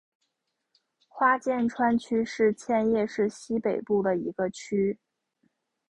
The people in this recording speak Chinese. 花见川区是千叶市西北部的一个区。